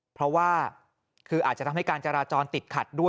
เพราะว่าคืออาจจะทำให้การจราจรติดขัดด้วย